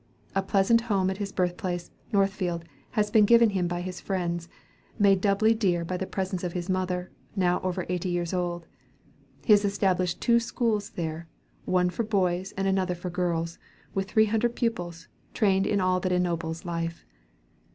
A pleasant home at his birthplace, Northfield, has been given him by his friends, made doubly dear by the presence of his mother, now over eighty years old. He has established two schools here, one for boys and another for girls, with three hundred pupils, trained in all that ennobles life.